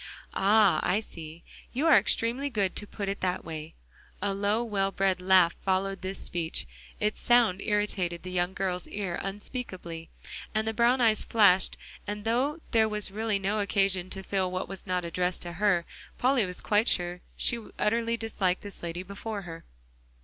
"Ah? I see. You are extremely good to put it in that way." A low, well bred laugh followed this speech. Its sound irritated the young girl's ear unspeakably, and the brown eyes flashed, and though there was really no occasion to feel what was not addressed to her, Polly was quite sure she utterly disliked the lady before her.